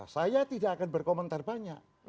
saya tidak akan berkomentar banyak